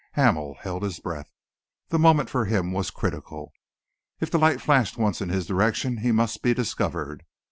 Hamel held his breath. The moment for him was critical. If the light flashed once in his direction, he must be discovered.